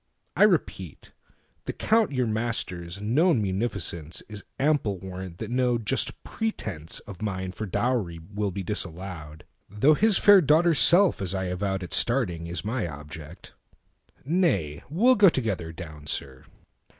I repeat, The Count your master's known munificenceIs ample warrant that no just pretenceOf mine for dowry will be disallowed; Though his fair daughter's self, as I avowedAt starting, is my object. Nay, we'll goTogether down, sir.